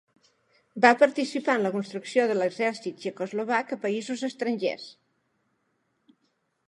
Va participar en la construcció de l'exèrcit txecoslovac a països estrangers.